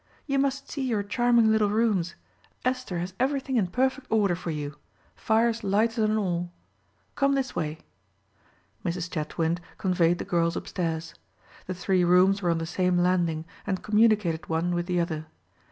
"You must see your charming little rooms. Esther has everything in perfect order for you; fires lighted and all. Come this way." Mrs. Chetwynd conveyed the girls upstairs. The three rooms were on the same landing, and communicated one with the other. Mrs.